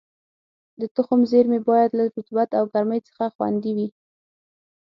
د تخم زېرمې باید له رطوبت او ګرمۍ څخه خوندي وي.